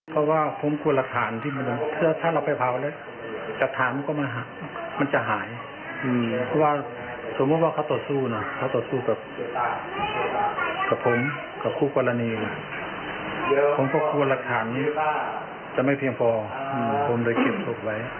เพราะว่าผมกลัวหลักฐานที่มันถ้าเราไปเผาแล้วหลักฐานมันก็มันจะหายเพราะว่าสมมุติว่าเขาต่อสู้นะเขาต่อสู้กับผมกับคู่กรณีนะผมก็กลัวหลักฐานนี้จะไม่เพียงพอผมเลยเก็บศพไว้